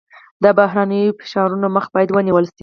د بهرنیو فشارونو مخه باید ونیول شي.